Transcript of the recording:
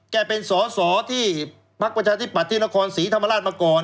แกเป็นสที่ภักดิ์ประชาธิบัติธินครศรีธรรมราชมาก่อน